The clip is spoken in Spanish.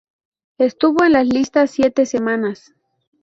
Estuvo en las listas siete semanas.